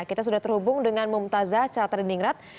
kita sudah terhubung dengan mumtazza charter in inggrat